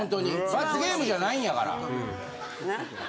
罰ゲームじゃないんやから。